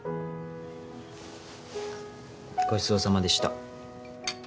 ごちそうさまでした。